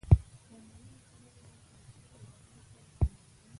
دا معلومه خبره ده چې د هرې ادارې لپاره کاميابي